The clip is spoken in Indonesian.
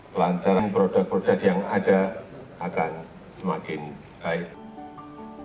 kelancaran produk produk yang ada akan semakin baik